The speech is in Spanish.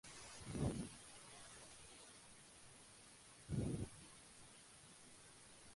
Colaboró en la creación de la revista Nueva Cultura.